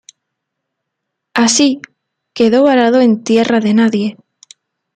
Así, quedó varado en tierra de nadie.